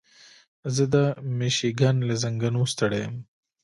زه د مېشیګن له ځنګلونو ستړی یم.